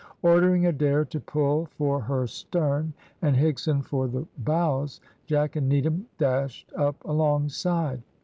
Ordering Adair to pull for her stern and Higson for the bows, Jack and Needham dashed up alongside.